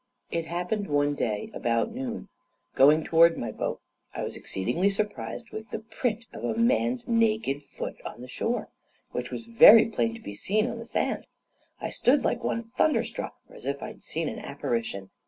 It happened one day, about noon, going towards my boat, I was exceedingly surprised with the print of a man's naked foot on the shore, which was very plain to be seen on the sand. I stood like one thunderstruck, or as if I had seen an apparition.